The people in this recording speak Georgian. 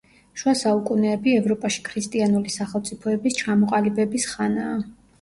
შუა საუკუნეები ევროპაში ქრისტიანული სახელმწიფოების ჩამოყალიბების ხანაა.